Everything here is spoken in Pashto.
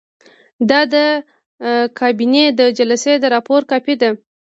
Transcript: دا د کابینې د جلسې د راپور کاپي ده.